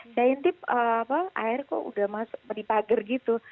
saya intip air kok udah masuk di pagar gitu